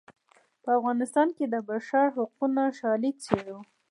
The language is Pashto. په افغانستان کې د بشر حقونو شالید څیړو.